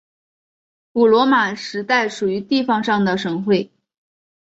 古罗马时代属于地方上的省会。